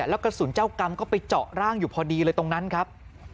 แล้วกระสุนเจ้ากรรมก็ไปเจาะร่างอยู่พอดีเลยตรงนั้นครับ